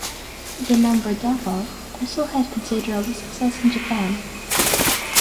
"The Number Devil" also had considerable success in Japan.